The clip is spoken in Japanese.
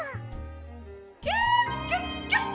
「キュキュッキュッ！